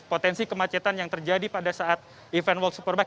potensi kemacetan yang terjadi pada saat event world superbike